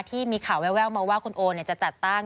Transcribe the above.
ที่มีข่าวแววมาว่าคุณโอจะจัดตั้ง